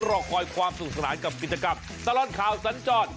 รอคอยความสนุกสนานกับกิจกรรมตลอดข่าวสัญจร